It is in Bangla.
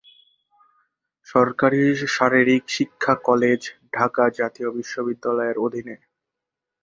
সরকারি শারীরিক শিক্ষা কলেজ, ঢাকা জাতীয় বিশ্ববিদ্যালয়ের অধীনে।